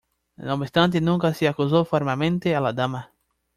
No obstante, nunca se acusó formalmente a la dama.